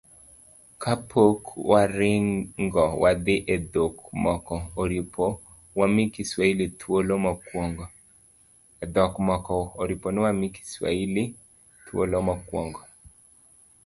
Ka pok waringo wadhi e dhok moko, oripo wamii Kiswahili thuolo mokwongo.